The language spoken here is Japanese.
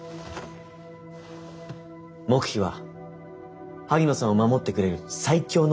黙秘は萩野さんを守ってくれる最強の盾なんです。